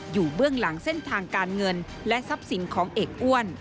เบื้องหลังเส้นทางการเงินและทรัพย์สินของเอกอ้วน